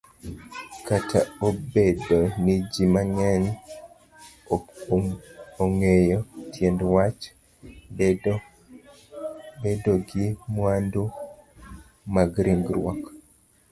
Kataobedo niji mang'eny okong'eyo tiendwach bedogi mwandu magringruok